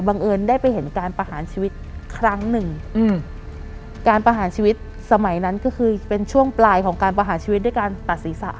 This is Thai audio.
เอิญได้ไปเห็นการประหารชีวิตครั้งหนึ่งอืมการประหารชีวิตสมัยนั้นก็คือเป็นช่วงปลายของการประหารชีวิตด้วยการตัดศีรษะ